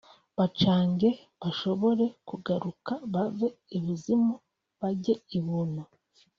bacyange bashobore kugaruka bave ibuzimu bajye ibuntu